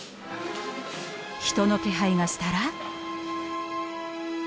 人の気配がしたら。